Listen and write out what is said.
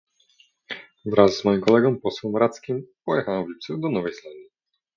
Wraz z moim kolegą, posłem Rackiem, pojechałam w lipcu do Nowej Zelandii